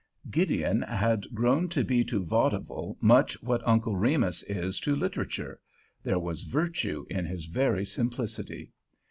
Gideon had grown to be to vaudeville much what Uncle Remus is to literature: there was virtue in his very simplicity.